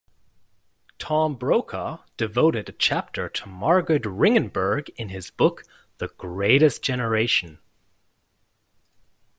Tom Brokaw devoted a chapter to Margaret Ringenberg in his book "The Greatest Generation".